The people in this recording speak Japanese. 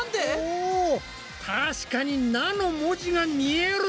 お確かに「ナ」の文字が見える！